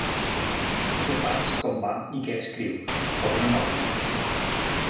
Què fas, com va i què escrius, com una nòvia.